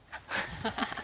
ハハハッ。